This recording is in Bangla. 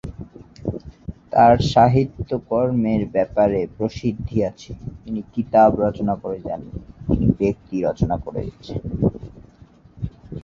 তার সাহিত্য কর্মের ব্যাপারে প্রসিদ্ধি আছে, তিনি কিতাব রচনা করে যাননি; তিনি ব্যক্তি রচনা করে গেছেন।